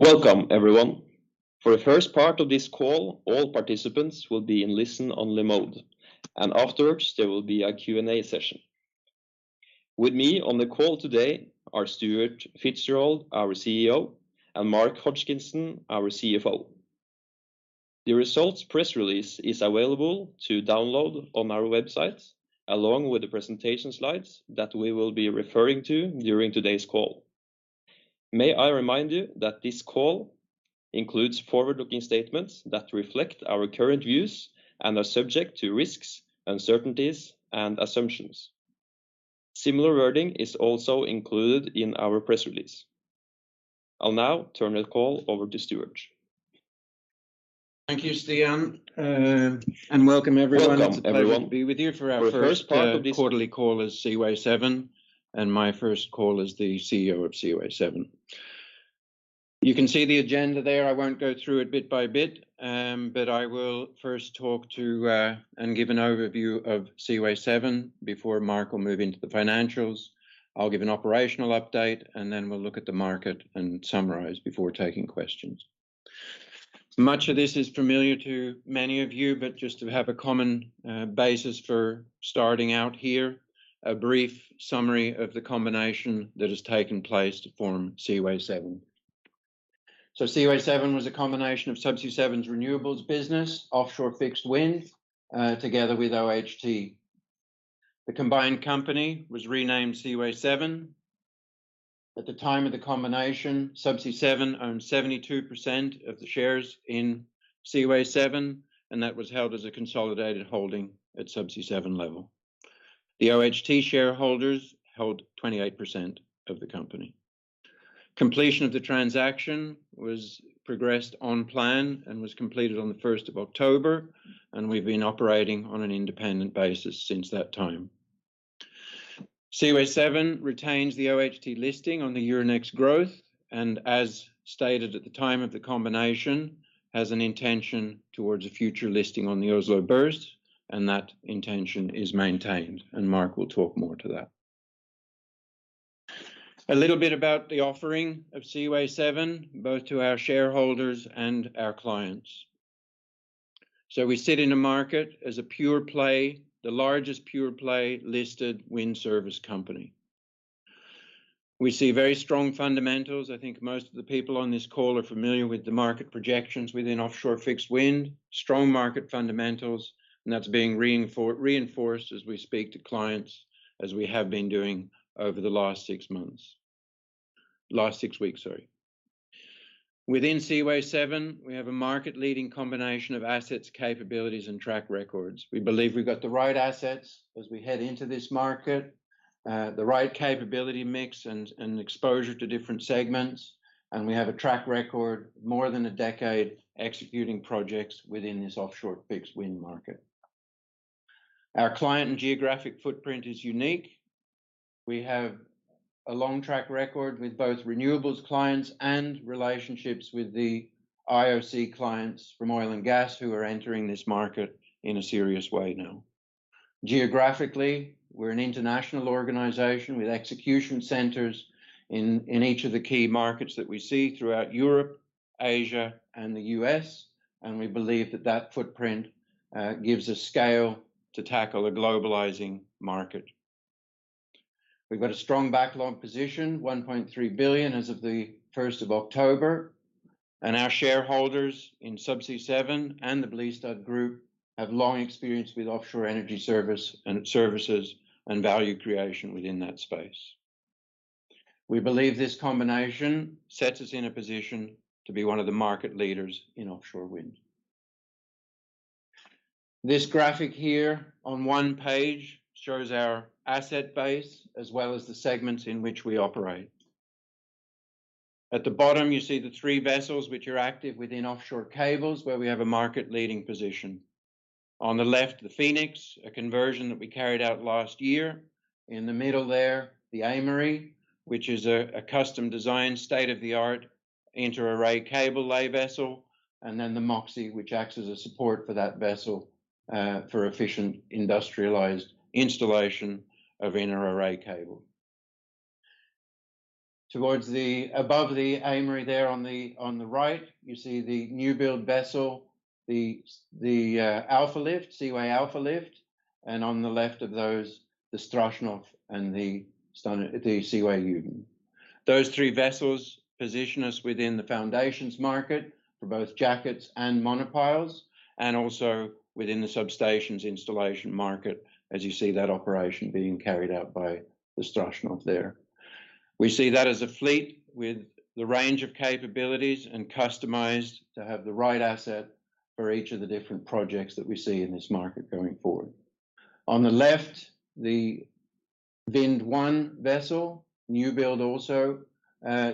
Welcome, everyone. For the first part of this call, all participants will be in listen-only mode, and afterwards there will be a Q&A session. With me on the call today are Stuart Fitzgerald, our CEO, and Mark Hodgkinson, our CFO. The results press release is available to download on our website, along with the presentation slides that we will be referring to during today's call. May I remind you that this call includes forward-looking statements that reflect our current views and are subject to risks, uncertainties and assumptions. Similar wording is also included in our press release. I'll now turn the call over to Stuart. Thank you, Stian, and welcome everyone. Welcome, everyone. It's a pleasure to be with you for our first For the first part of this. Quarterly call as Seaway7, and my first call as the CEO of Seaway7. You can see the agenda there. I won't go through it bit by bit, but I will first talk through and give an overview of Seaway7 before Mark will move into the financials. I'll give an operational update, and then we'll look at the market and summarize before taking questions. Much of this is familiar to many of you, but just to have a common basis for starting out here, a brief summary of the combination that has taken place to form Seaway7. Seaway7 was a combination of Subsea7's renewables business, offshore fixed wind, together with OHT. The combined company was renamed Seaway7. At the time of the combination, Subsea7 owned 72% of the shares in Seaway7, and that was held as a consolidated holding at Subsea7 level. The OHT shareholders held 28% of the company. Completion of the transaction was progressed on plan and was completed on the 1st of October, and we've been operating on an independent basis since that time. Seaway7 retains the OHT listing on the Euronext Growth and, as stated at the time of the combination, has an intention towards a future listing on the Oslo Børs, and that intention is maintained, and Mark will talk more to that. A little bit about the offering of Seaway7, both to our shareholders and our clients. We sit in a market as a pure play, the largest pure play listed wind service company. We see very strong fundamentals. I think most of the people on this call are familiar with the market projections within offshore fixed wind. Strong market fundamentals, and that's being reinforced as we speak to clients as we have been doing over the last six months. Last six weeks, sorry. Within Seaway7, we have a market-leading combination of assets, capabilities and track records. We believe we've got the right assets as we head into this market, the right capability mix and exposure to different segments, and we have a track record more than a decade executing projects within this offshore fixed wind market. Our client and geographic footprint is unique. We have a long track record with both renewables clients and relationships with the IOC clients from oil and gas who are entering this market in a serious way now. Geographically, we're an international organization with execution centers in each of the key markets that we see throughout Europe, Asia and the U.S., and we believe that footprint gives us scale to tackle a globalizing market. We've got a strong backlog position, $1.3 billion as of the 1st of October, and our shareholders in Subsea7 and Blystad Group have long experience with offshore energy services and value creation within that space. We believe this combination sets us in a position to be one of the market leaders in offshore wind. This graphic here on one page shows our asset base as well as the segments in which we operate. At the bottom you see the three vessels which are active within offshore cables where we have a market leading position. On the left, the Phoenix, a conversion that we carried out last year. In the middle there, the Aimery, which is a custom designed state-of-the-art inter-array cable lay vessel. Then the Moxie, which acts as a support for that vessel, for efficient industrialized installation of inter-array cable. Above the Aimery there on the right you see the new build vessel, the Alfa Lift, Seaway Alfa Lift, and on the left of those, the Strashnov and the Seaway Yudin. Those three vessels position us within the foundations market for both jackets and monopiles, and also within the substations installation market, as you see that operation being carried out by the Strashnov there. We see that as a fleet with the range of capabilities and customized to have the right asset for each of the different projects that we see in this market going forward. On the left, the VIND1 vessel, new build also,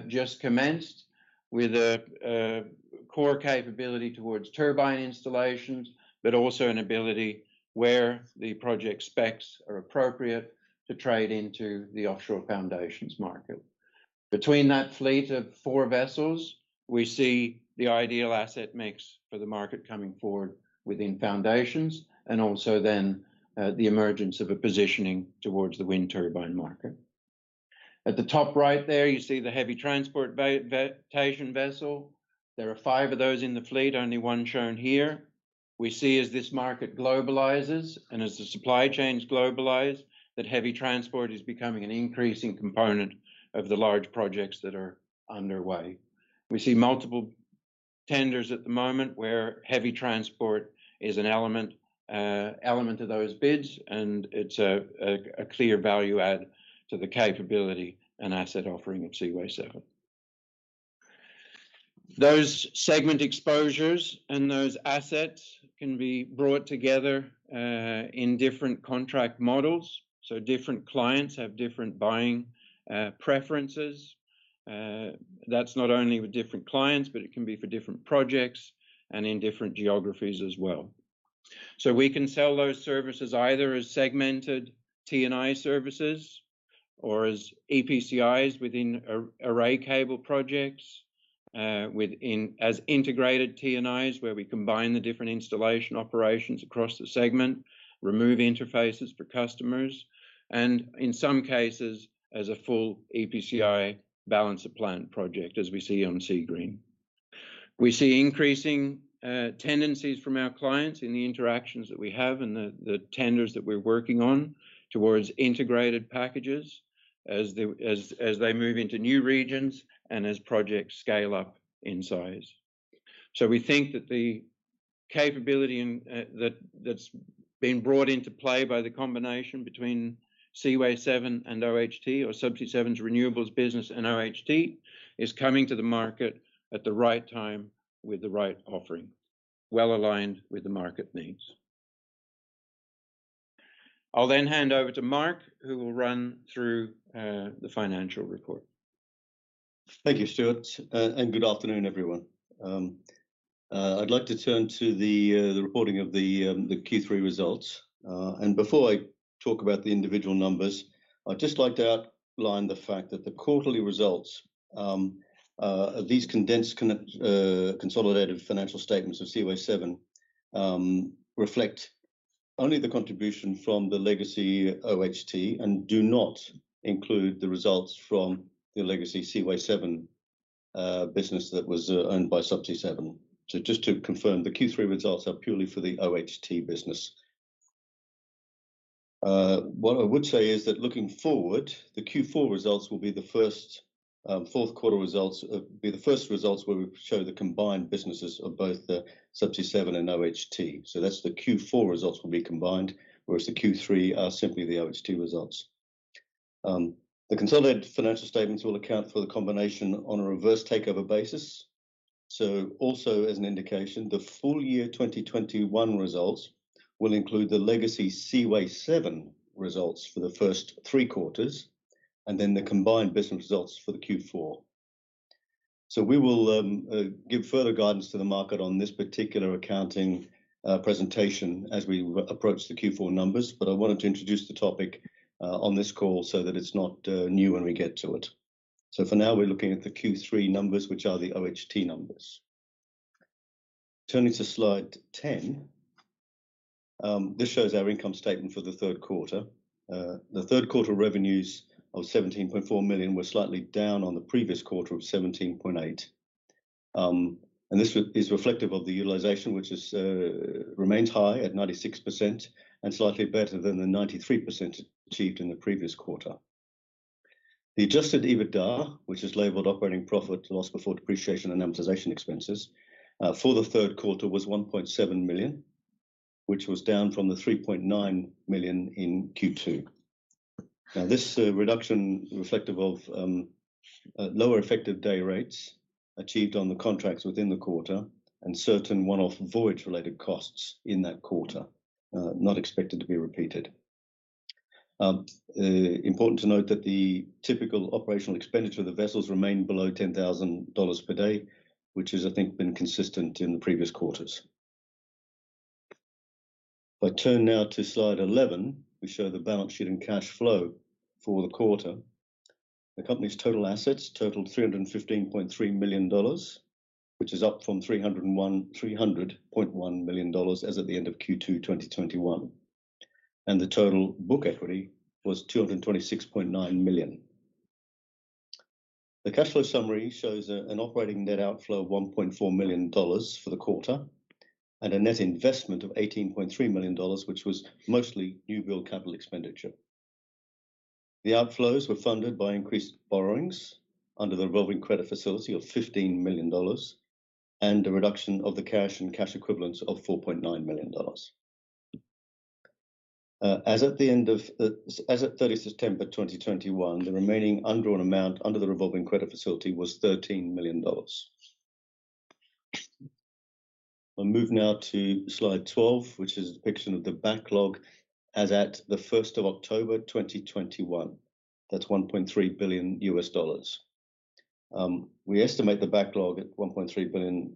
just commenced with a core capability towards turbine installations, but also an ability where the project specs are appropriate to trade into the offshore foundations market. Between that fleet of four vessels, we see the ideal asset mix for the market coming forward within foundations and also then the emergence of a positioning towards the wind turbine market. At the top right there, you see the heavy transport vessel. There are five of those in the fleet, only one shown here. We see as this market globalizes and as the supply chains globalize, that heavy transport is becoming an increasing component of the large projects that are underway. We see multiple tenders at the moment where heavy transport is an element of those bids, and it's a clear value add to the capability and asset offering of Seaway7. Those segment exposures and those assets can be brought together in different contract models, so different clients have different buying preferences. That's not only with different clients, but it can be for different projects and in different geographies as well. We can sell those services either as segmented T&I services or as EPCIs within inter-array cable projects, within. as integrated T&Is where we combine the different installation operations across the segment, remove interfaces for customers, and in some cases, as a full EPCI balance of plant project as we see on Seagreen. We see increasing tendencies from our clients in the interactions that we have and the tenders that we're working on towards integrated packages as they move into new regions and as projects scale up in size. We think that the capability and that's been brought into play by the combination between Seaway7 and OHT or Subsea7's renewables business and OHT is coming to the market at the right time with the right offering, well aligned with the market needs. I'll then hand over to Mark, who will run through the financial report. Thank you, Stuart, and good afternoon, everyone. I'd like to turn to the reporting of the Q3 results. Before I talk about the individual numbers, I'd just like to outline the fact that the quarterly results, these condensed consolidated financial statements of Seaway7, reflect only the contribution from the legacy OHT and do not include the results from the legacy Seaway7 business that was owned by Subsea7. Just to confirm, the Q3 results are purely for the OHT business. What I would say is that looking forward, the Q4 results will be the first results where we show the combined businesses of both the Subsea7 and OHT. That's the Q4 results will be combined, whereas the Q3 are simply the OHT results. The consolidated financial statements will account for the combination on a reverse takeover basis. Also as an indication, the full year 2021 results will include the legacy Seaway7 results for the first three quarters, and then the combined business results for the Q4. We will give further guidance to the market on this particular accounting presentation as we approach the Q4 numbers. I wanted to introduce the topic on this call so that it's not new when we get to it. For now we're looking at the Q3 numbers, which are the OHT numbers. Turning to slide 10, this shows our income statement for the third quarter. The third quarter revenues of $17.4 million were slightly down on the previous quarter of $17.8 million. This is reflective of the utilization which remains high at 96% and slightly better than the 93% achieved in the previous quarter. The adjusted EBITDA, which is labeled operating profit or loss before depreciation and amortization expenses, for the third quarter was $1.7 million, which was down from the $3.9 million in Q2. Now this reduction is reflective of lower effective day rates achieved on the contracts within the quarter and certain one-off voyage related costs in that quarter, not expected to be repeated. Important to note that the typical operational expenditure of the vessels remains below $10,000 per day, which I think has been consistent in the previous quarters. If I turn now to slide 11, we show the balance sheet and cash flow for the quarter. The company's total assets totaled $315.3 million, which is up from $300.1 million as at the end of Q2 2021. The total book equity was $226.9 million. The cash flow summary shows an operating net outflow of $1.4 million for the quarter and a net investment of $18.3 million which was mostly new build capital expenditure. The outflows were funded by increased borrowings under the revolving credit facility of $15 million and a reduction of the cash and cash equivalents of $4.9 million. As at the end of 30 September 2021, the remaining undrawn amount under the revolving credit facility was $13 million. I'll move now to slide 12, which is a depiction of the backlog as at 1 October 2021. That's $1.3 billion. We estimate the backlog at $1.3 billion,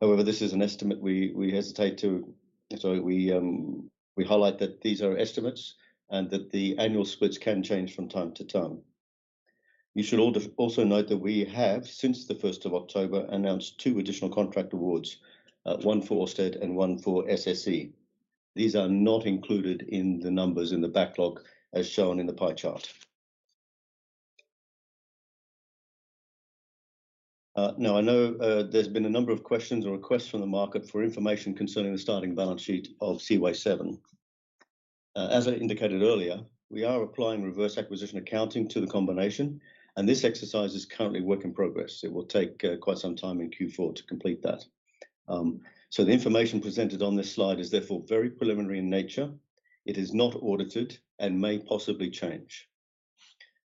however, this is an estimate we hesitate to highlight that these are estimates and that the annual splits can change from time to time. You should also note that we have, since 1 October, announced two additional contract awards, one for Ørsted and one for SSE. These are not included in the numbers in the backlog as shown in the pie chart. Now I know there's been a number of questions or requests from the market for information concerning the starting balance sheet of Seaway7. As I indicated earlier, we are applying reverse acquisition accounting to the combination, and this exercise is currently work in progress. It will take quite some time in Q4 to complete that. The information presented on this slide is therefore very preliminary in nature. It is not audited and may possibly change.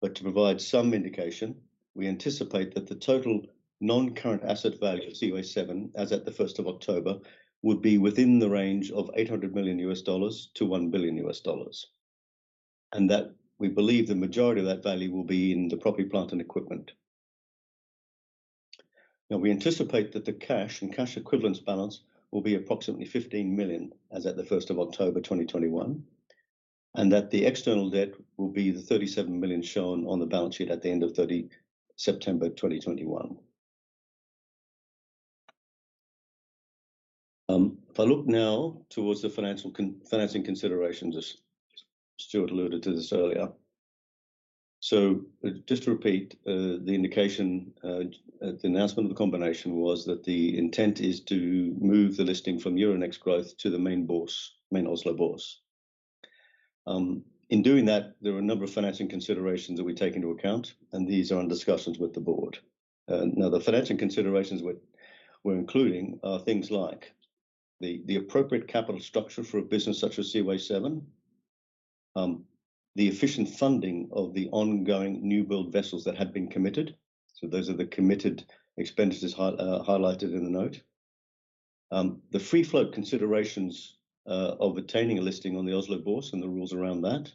To provide some indication, we anticipate that the total non-current asset value of Seaway7, as at the 1st of October, would be within the range of $800 million-$1 billion, and that we believe the majority of that value will be in the property, plant and equipment. Now, we anticipate that the cash and cash equivalents balance will be approximately $15 million as at 1 October 2021, and that the external debt will be the $37 million shown on the balance sheet at the end of September 2021. If I look now towards the financing considerations, as Stuart alluded to this earlier. The indication at the announcement of the combination was that the intent is to move the listing from Euronext Growth to the main Oslo Børs. In doing that, there are a number of financing considerations that we take into account, and these are in discussions with the board. Now the financing considerations we're including are things like the appropriate capital structure for a business such as Seaway7, the efficient funding of the ongoing new build vessels that had been committed. Those are the committed expenditures highlighted in the note. The free float considerations of attaining a listing on the Oslo Børs and the rules around that.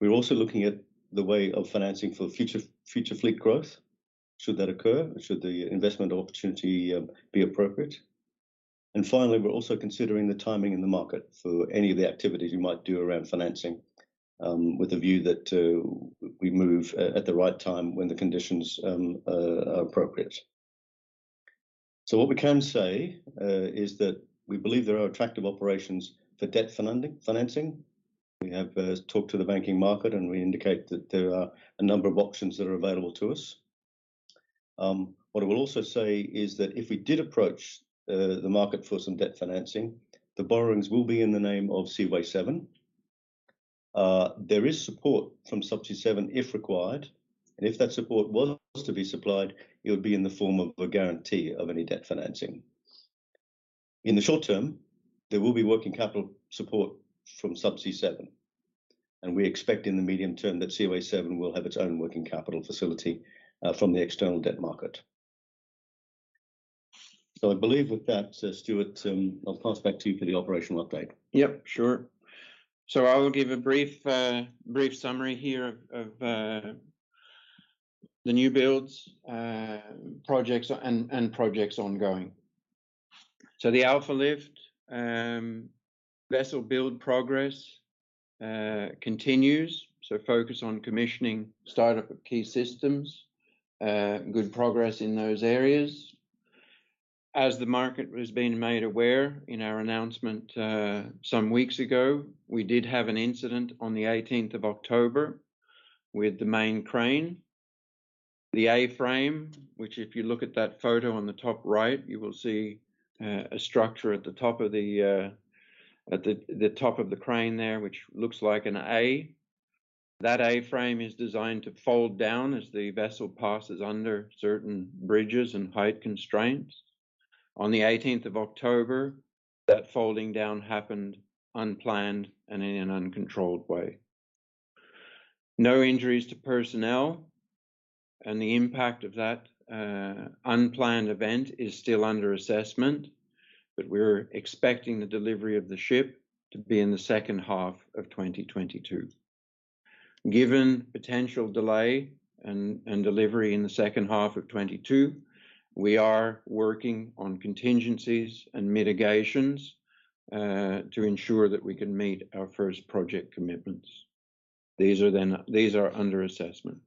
We're also looking at the way of financing for future fleet growth should that occur, should the investment opportunity be appropriate. Finally, we're also considering the timing in the market for any of the activities we might do around financing, with a view that we move at the right time when the conditions are appropriate. What we can say is that we believe there are attractive opportunities for debt financing. We have talked to the banking market, and we indicate that there are a number of options that are available to us. What I will also say is that if we did approach the market for some debt financing, the borrowings will be in the name of Seaway7. There is support from Subsea7 if required, and if that support was to be supplied, it would be in the form of a guarantee of any debt financing. In the short term, there will be working capital support from Subsea7, and we expect in the medium term that Seaway7 will have its own working capital facility from the external debt market. I believe with that, Stuart, I'll pass back to you for the operational update. Yep, sure. I will give a brief summary here of the new builds, projects and projects ongoing. The Alfa Lift vessel build progress continues, focus on commissioning start-up of key systems. Good progress in those areas. As the market has been made aware in our announcement some weeks ago, we did have an incident on the eighteenth of October with the main crane. The A-frame, which if you look at that photo on the top right, you will see a structure at the top of the crane there, which looks like an A. That A-frame is designed to fold down as the vessel passes under certain bridges and height constraints. On the eighteenth of October, that folding down happened unplanned and in an uncontrolled way. No injuries to personnel and the impact of that unplanned event is still under assessment, but we're expecting the delivery of the ship to be in the second half of 2022. Given potential delay and delivery in the second half of 2022, we are working on contingencies and mitigations to ensure that we can meet our first project commitments. These are under assessment.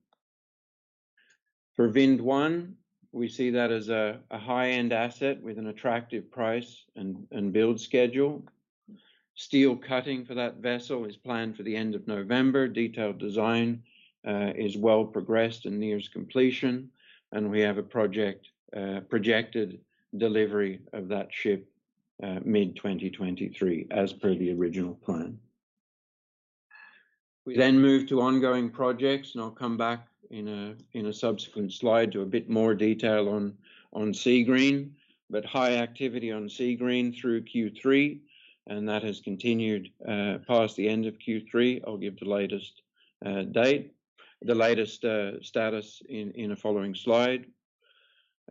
For VIND1, we see that as a high-end asset with an attractive price and build schedule. Steel cutting for that vessel is planned for the end of November. Detailed design is well progressed and nears completion, and we have a projected delivery of that ship mid-2023 as per the original plan. We then move to ongoing projects, and I'll come back in a subsequent slide to a bit more detail on Seagreen, but high activity on Seagreen through Q3 and that has continued past the end of Q3. I'll give the latest status in a following slide.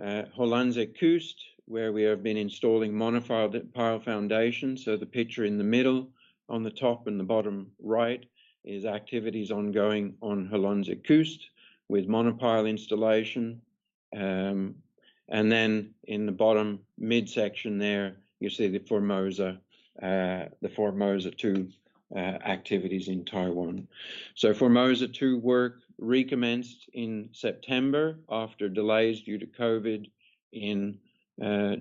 Hollandse Kust, where we have been installing monopile foundations. So the picture in the middle, on the top and the bottom right is activities ongoing on Hollandse Kust with monopile installation. Then in the bottom midsection there, you see the Formosa 2 activities in Taiwan. Formosa 2 work recommenced in September after delays due to COVID in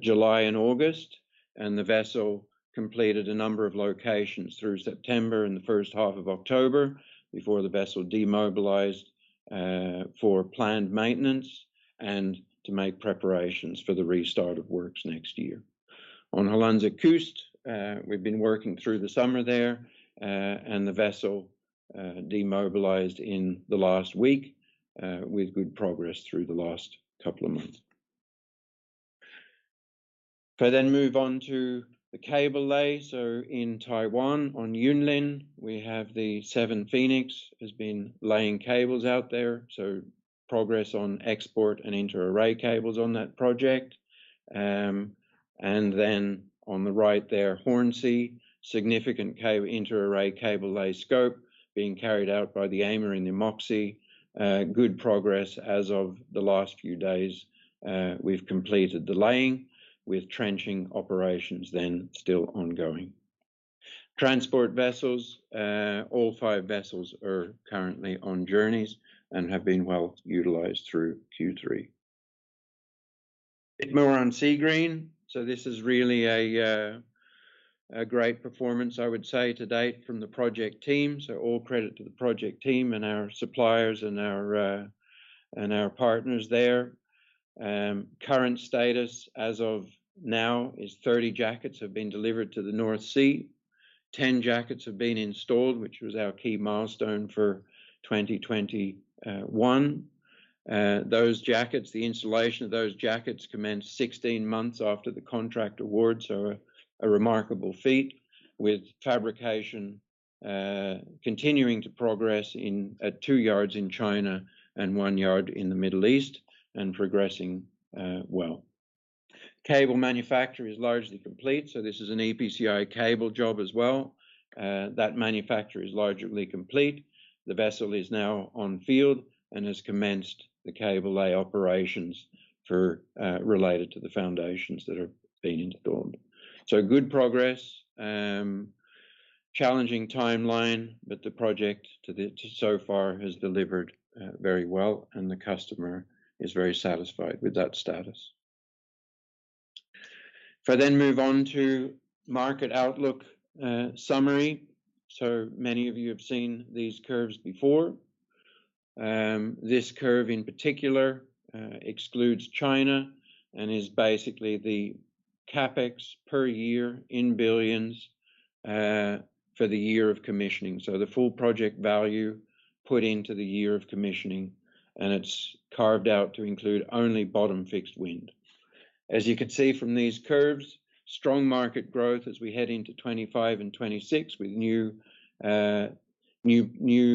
July and August, and the vessel completed a number of locations through September and the first half of October before the vessel demobilized for planned maintenance and to make preparations for the restart of works next year. On Hollandse Kust, we've been working through the summer there, and the vessel demobilized in the last week with good progress through the last couple of months. If I then move on to the cable lay. In Taiwan on Yunlin, we have the Seven Phoenix has been laying cables out there, so progress on export and inter-array cables on that project. Then on the right there, Hornsea, significant inter-array cable lay scope being carried out by the Aimery and the Moxie. Good progress as of the last few days. We've completed the laying with trenching operations then still ongoing. Transport vessels. All five vessels are currently on journeys and have been well-utilized through Q3. Bit more on Seagreen. This is really a great performance, I would say to date from the project team. All credit to the project team and our suppliers and our partners there. Current status as of now is 30 jackets have been delivered to the North Sea. 10 jackets have been installed, which was our key milestone for 2021. Those jackets, the installation of those jackets commenced 16 months after the contract award, a remarkable feat with fabrication continuing to progress at two yards in China and one yard in the Middle East and progressing well. Cable manufacture is largely complete, so this is an EPCI cable job as well. That manufacture is largely complete. The vessel is now on field and has commenced the cable lay operations for related to the foundations that have been installed. Good progress. Challenging timeline, but the project to so far has delivered very well, and the customer is very satisfied with that status. If I then move on to market outlook, summary. Many of you have seen these curves before. This curve in particular excludes China and is basically the CapEx per year in billions for the year of commissioning. The full project value put into the year of commissioning, and it's carved out to include only bottom-fixed wind. As you can see from these curves, strong market growth as we head into 2025 and 2026 with new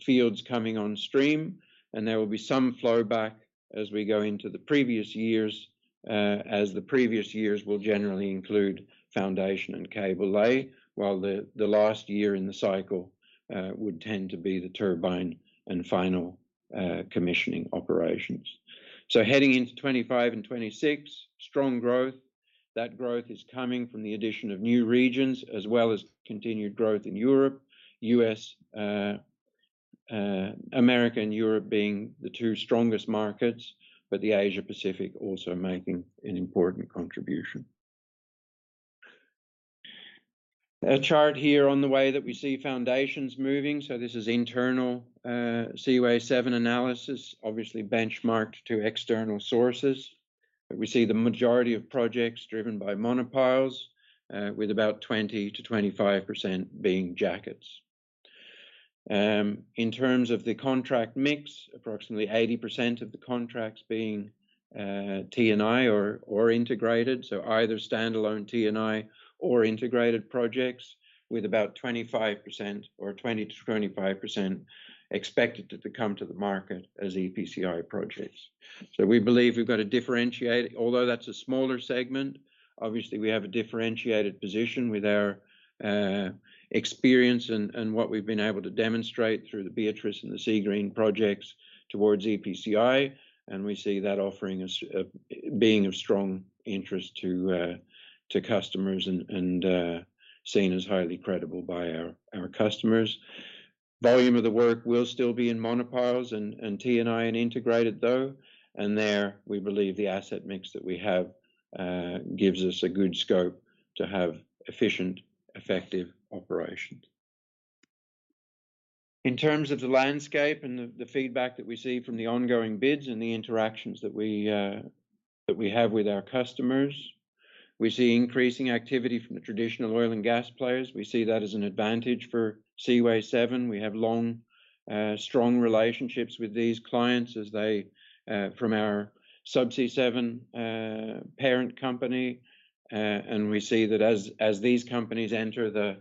fields coming on stream, and there will be some flow back as we go into the previous years, as the previous years will generally include foundation and cable lay, while the last year in the cycle would tend to be the turbine and final commissioning operations. Heading into 2025 and 2026, strong growth. That growth is coming from the addition of new regions, as well as continued growth in Europe, U.S., America and Europe being the two strongest markets, but the Asia Pacific also making an important contribution. A chart here on the way that we see foundations moving. This is internal Seaway7 analysis, obviously benchmarked to external sources. We see the majority of projects driven by monopiles with about 20%-25% being jackets. In terms of the contract mix, approximately 80% of the contracts being T&I or integrated, so either standalone T&I or integrated projects with about 25% or 20%-25% expected to come to the market as EPCI projects. We believe we've got a differentiated position. Although that's a smaller segment, obviously, we have a differentiated position with our experience and what we've been able to demonstrate through the Beatrice and the Seagreen projects towards EPCI, and we see that offering as being of strong interest to customers and seen as highly credible by our customers. Volume of the work will still be in monopiles and T&I and integrated, though, and there we believe the asset mix that we have gives us a good scope to have efficient, effective operations. In terms of the landscape and the feedback that we see from the ongoing bids and the interactions that we have with our customers, we see increasing activity from the traditional oil and gas players. We see that as an advantage for Seaway7. We have long strong relationships with these clients, as we have from our Subsea7 parent company, and we see that as these companies enter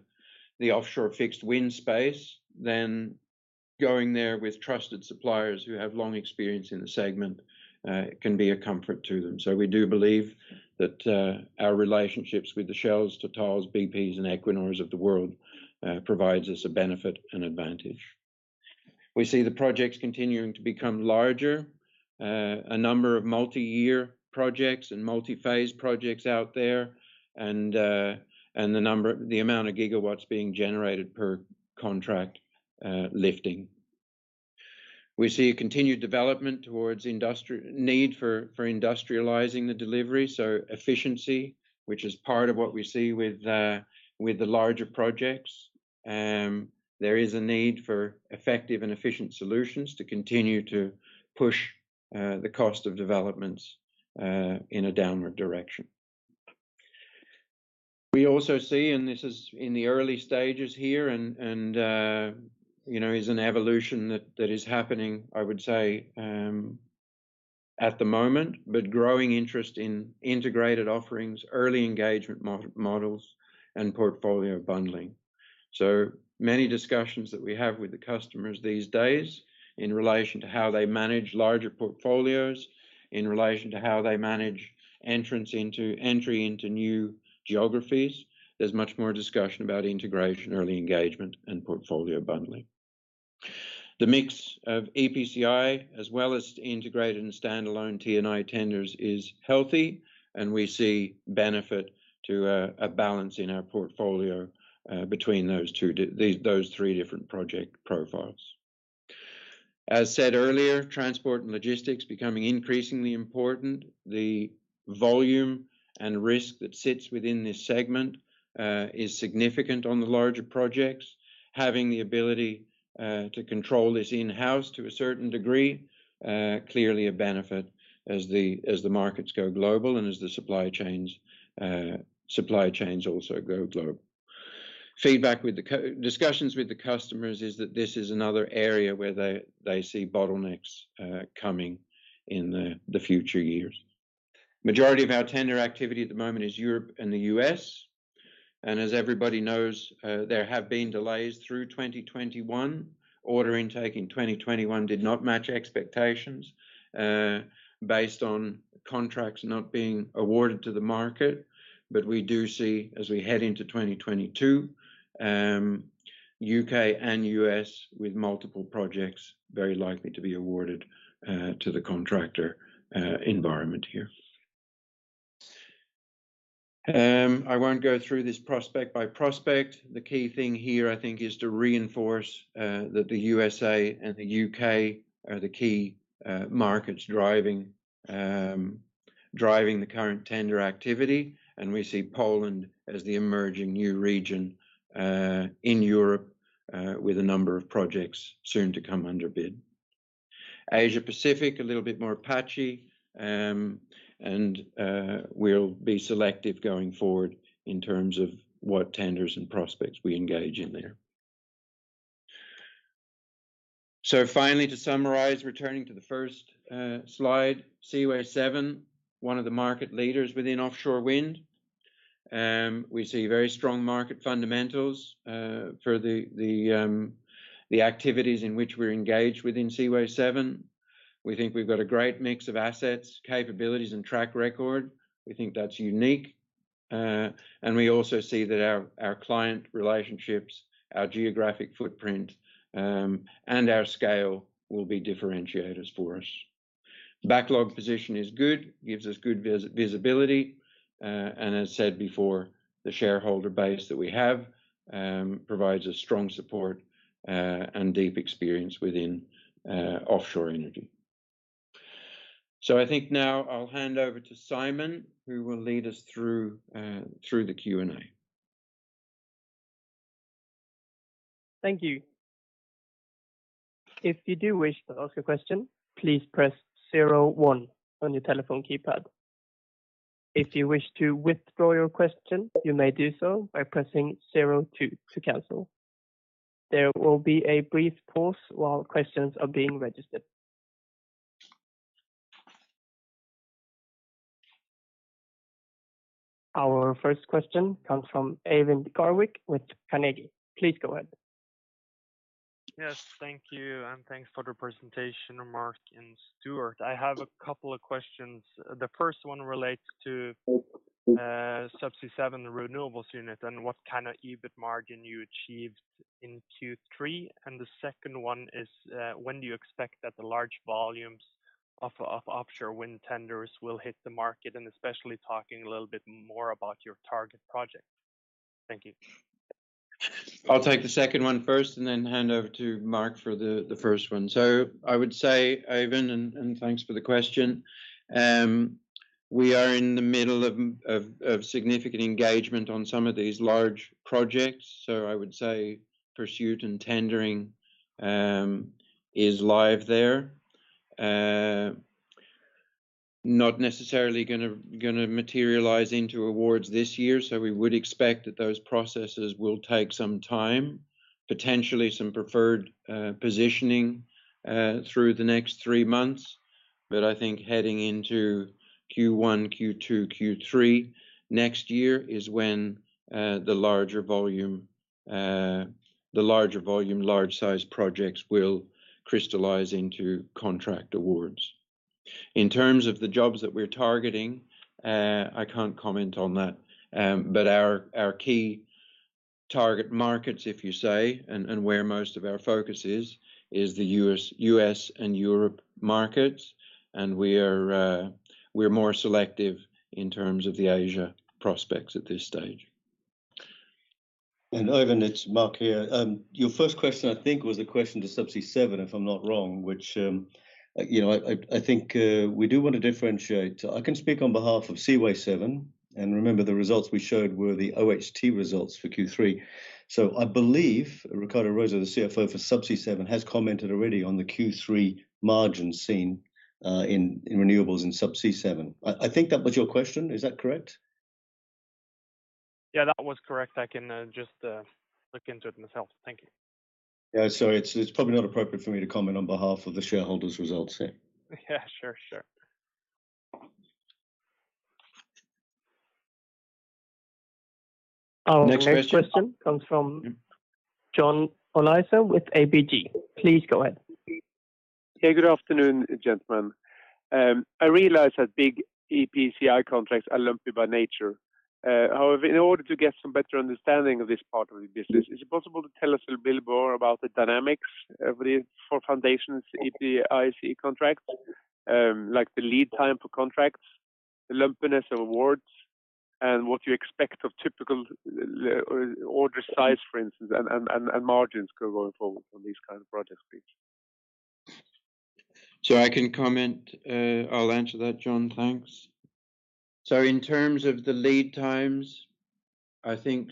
the offshore fixed wind space, then going there with trusted suppliers who have long experience in the segment can be a comfort to them. We do believe that our relationships with the Shells, Totals, BPs, and Equinors of the world provides us a benefit and advantage. We see the projects continuing to become larger, a number of multi-year projects and multi-phase projects out there and the amount of gigawatts being generated per contract lifting. We see a continued development towards need for industrializing the delivery, so efficiency, which is part of what we see with the larger projects. There is a need for effective and efficient solutions to continue to push the cost of developments in a downward direction. We also see, and this is in the early stages here and is an evolution that is happening, I would say, at the moment, but growing interest in integrated offerings, early engagement models and portfolio bundling. Many discussions that we have with the customers these days in relation to how they manage larger portfolios, in relation to how they manage entry into new geographies, there's much more discussion about integration, early engagement and portfolio bundling. The mix of EPCI as well as integrated and standalone T&I tenders is healthy, and we see benefit to a balance in our portfolio, between these three different project profiles. As said earlier, transport and logistics becoming increasingly important. The volume and risk that sits within this segment is significant on the larger projects. Having the ability to control this in-house to a certain degree clearly a benefit as the markets go global and as the supply chains also go global. Feedback from the discussions with the customers is that this is another area where they see bottlenecks coming in the future years. Majority of our tender activity at the moment is in Europe and the U.S., and as everybody knows, there have been delays through 2021. Order intake in 2021 did not match expectations based on contracts not being awarded to the market. We do see, as we head into 2022, U.K. and U.S. with multiple projects very likely to be awarded to the contractor environment here. I won't go through this project by project. The key thing here I think is to reinforce that the USA and the U.K. are the key markets driving the current tender activity, and we see Poland as the emerging new region in Europe with a number of projects soon to come under bid. Asia Pacific, a little bit more patchy, and we'll be selective going forward in terms of what tenders and prospects we engage in there. Finally, to summarize, returning to the first slide, Seaway7, one of the market leaders within offshore wind. We see very strong market fundamentals for the activities in which we're engaged within Seaway7. We think we've got a great mix of assets, capabilities and track record. We think that's unique. We also see that our client relationships, our geographic footprint, and our scale will be differentiators for us. Backlog position is good, gives us good visibility. As said before, the shareholder base that we have provides a strong support, and deep experience within offshore energy. I think now I'll hand over to Simon, who will lead us through the Q&A. Thank you. If you do wish to ask a question, please press zero one on your telephone keypad. If you wish to withdraw your question, you may do so by pressing zero two to cancel. There will be a brief pause while questions are being registered. Our first question comes from Eivind Garvik with Carnegie. Please go ahead. Yes. Thank you, and thanks for the presentation, Mark and Stuart. I have a couple of questions. The first one relates to Subsea7 renewables unit and what kind of EBIT margin you achieved in Q3. The second one is when do you expect that the large volumes of offshore wind tenders will hit the market, and especially talking a little bit more about your target project. Thank you. I'll take the second one first and then hand over to Mark for the first one. I would say, Eivind, and thanks for the question. We are in the middle of significant engagement on some of these large projects. I would say pursuit and tendering is live there. Not necessarily gonna materialize into awards this year, so we would expect that those processes will take some time, potentially some preferred positioning through the next three months. I think heading into Q1, Q2, Q3 next year is when the larger volume large-size projects will crystallize into contract awards. In terms of the jobs that we're targeting, I can't comment on that. Our key target markets, if you say, and where most of our focus is the U.S. and European markets, and we're more selective in terms of the Asian prospects at this stage. Eivind, it's Mark here. Your first question I think was a question to Subsea7, if I'm not wrong, which, you know, I think we do wanna differentiate. I can speak on behalf of Seaway7, and remember the results we showed were the OHT results for Q3. I believe Ricardo Rosa, the CFO for Subsea7, has commented already on the Q3 margin seen in renewables in Subsea7. I think that was your question. Is that correct? Yeah, that was correct. I can just look into it myself. Thank you. Yeah. It's probably not appropriate for me to comment on behalf of the shareholders' results here. Yeah. Sure. Sure. Next question. Our next question comes from John Olaisen with ABG. Please go ahead. Okay. Good afternoon, gentlemen. I realize that big EPCI contracts are lumpy by nature. However, in order to get some better understanding of this part of the business, is it possible to tell us a little bit more about the dynamics for foundations EPCI contracts? Like the lead time for contracts, the lumpiness of awards, and what you expect of typical order size, for instance, and margins going forward from these kind of project briefs. I can comment. I'll answer that, John. Thanks. In terms of the lead times, I think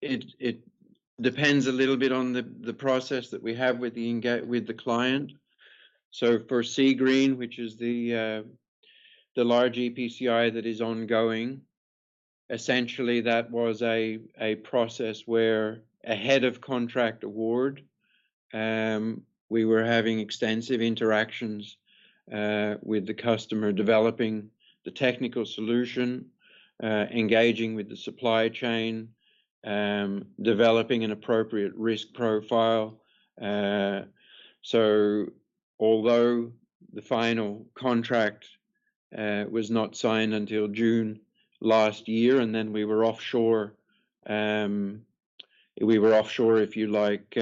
it depends a little bit on the process that we have with the client. For Seagreen, which is the large EPCI that is ongoing, essentially that was a process where ahead of contract award, we were having extensive interactions with the customer developing the technical solution, engaging with the supply chain, developing an appropriate risk profile. Although the final contract was not signed until June last year, and then we were offshore, if you like,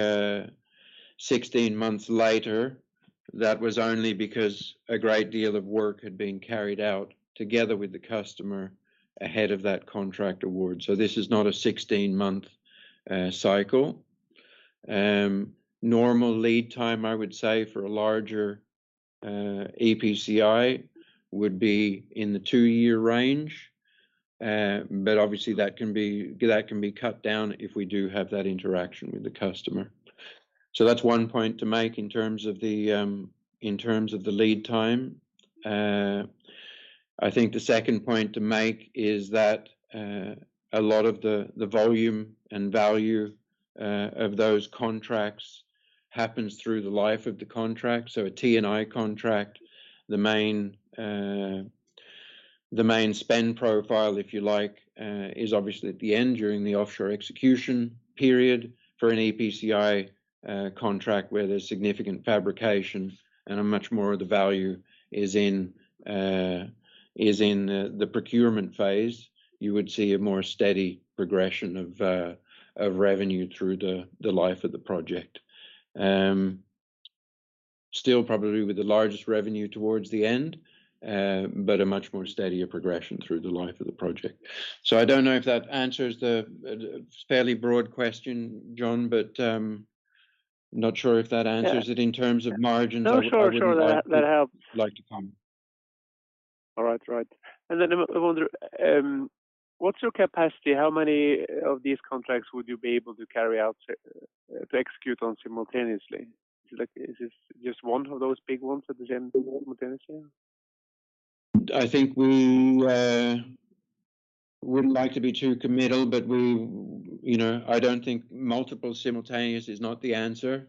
16 months later, that was only because a great deal of work had been carried out together with the customer ahead of that contract award. This is not a 16-month cycle. Normal lead time, I would say, for a larger EPCI would be in the two-year range. Obviously that can be cut down if we do have that interaction with the customer. That's one point to make in terms of the lead time. I think the second point to make is that a lot of the volume and value of those contracts happens through the life of the contract. A T&I contract, the main spend profile, if you like, is obviously at the end during the offshore execution period. For an EPCI contract where there's significant fabrication and a much more of the value is in the procurement phase, you would see a more steady progression of revenue through the life of the project. Still probably with the largest revenue towards the end, but a much more steadier progression through the life of the project. I don't know if that answers the fairly broad question, John, but not sure if that answers it. Yeah. In terms of margins, I would like to. No, sure. That helps. Like to comment. All right. Right. I wonder, what's your capacity? How many of these contracts would you be able to carry out to execute on simultaneously? Like, is this just one of those big ones at the same time, simultaneously? I think we wouldn't like to be too committal, but we, you know, I don't think multiple simultaneous is not the answer.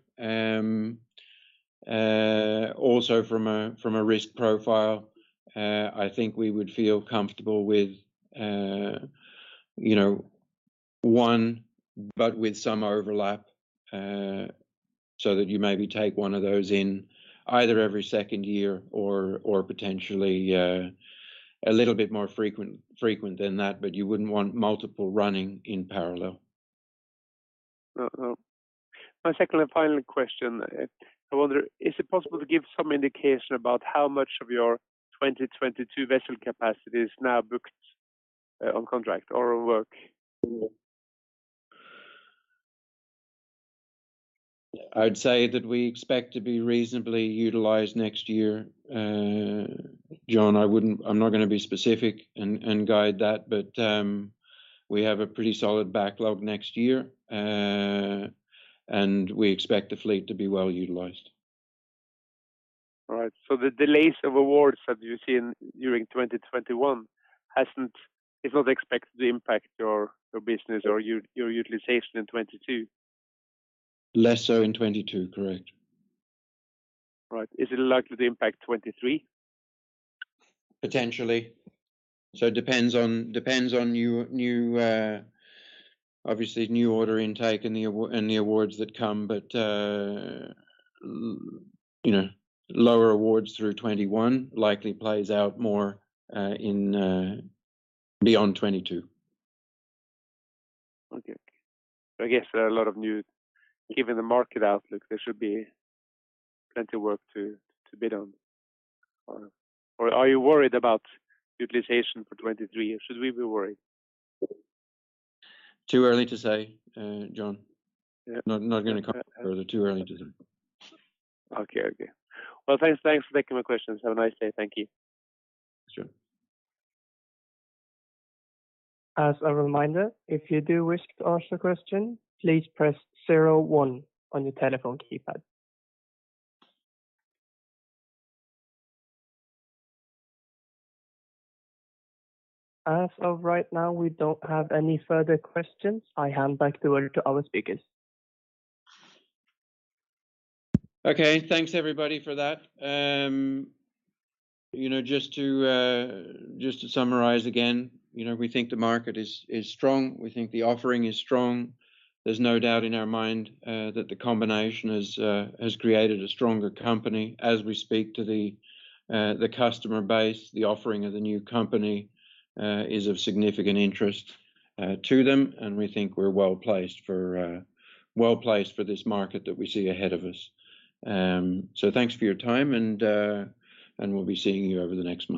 Also from a risk profile, I think we would feel comfortable with, you know, one, but with some overlap, so that you maybe take one of those in either every second year or potentially a little bit more frequent than that, but you wouldn't want multiple running in parallel. My second and final question. I wonder, is it possible to give some indication about how much of your 2022 vessel capacity is now booked, on contract or on work? I'd say that we expect to be reasonably utilized next year. John, I'm not gonna be specific and guide that, but we have a pretty solid backlog next year, and we expect the fleet to be well utilized. All right. The delays of awards that you've seen during 2021 is not expected to impact your business or your utilization in 2022? Less so in 2022, correct. Right. Is it likely to impact 2023? Potentially. Depends on, obviously, new order intake and the awards that come. You know, lower awards through 2021 likely plays out more in beyond 2022. Okay. I guess, given the market outlook, there should be plenty of work to bid on. Or are you worried about utilization for 2023, or should we be worried? Too early to say, John. Yeah. Not gonna comment further. Too early to say. Okay. Well, thanks for taking my questions. Have a nice day. Thank you. Thanks, John. As a reminder, if you do wish to ask a question, please press zero one on your telephone keypad. As of right now, we don't have any further questions. I hand back the word to our speakers. Okay. Thanks, everybody, for that. You know, just to summarize again, you know, we think the market is strong. We think the offering is strong. There's no doubt in our mind that the combination has created a stronger company. As we speak to the customer base, the offering of the new company is of significant interest to them, and we think we're well placed for this market that we see ahead of us. Thanks for your time, and we'll be seeing you over the next months.